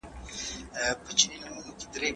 خپل ارزښت پیژندل اړین دی.